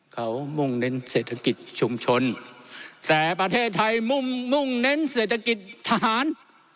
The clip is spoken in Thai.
เขามุ่งเน้นเศรษฐกิจชุมชนแต่ประเทศไทยมุ่งมุ่งเน้นเศรษฐกิจทหาร